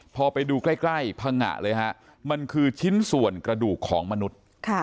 พอไปดูใกล้พังงะเลยฮะมันคือชิ้นส่วนกระดูกของมนุษย์